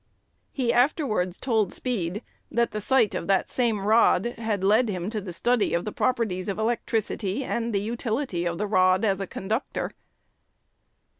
'" He afterwards told Speed that the sight of that same rod "had led him to the study of the properties of electricity and the utility of the rod as a conductor."